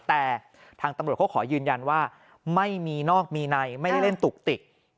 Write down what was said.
แต่ทางตำรวจเขาขอยืนยันว่าไม่มีนอกมีในไม่ได้เล่นตุกติก